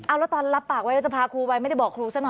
เอาแล้วตอนรับปากว่าจะพาครูไปไม่ได้บอกครูซะหน่อย